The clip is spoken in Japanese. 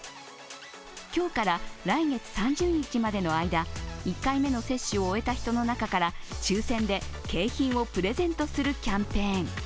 今日から、来月３０日までの間１回目の接種を終えた人の中から抽選で景品をプレゼントするキャンペーン。